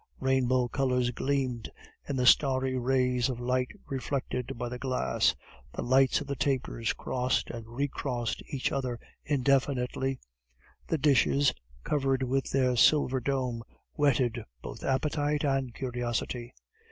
Rainbow colors gleamed in the starry rays of light reflected by the glass; the lights of the tapers crossed and recrossed each other indefinitely; the dishes covered with their silver domes whetted both appetite and curiosity.